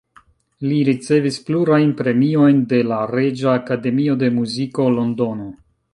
Li ricevis plurajn premiojn de la Reĝa Akademio de Muziko, Londono.